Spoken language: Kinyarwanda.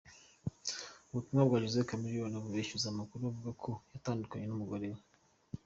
Ubutumwa bwa Jose Chameleone bubeshyuza amakuru avuga ko yatandukanye n'umugore we.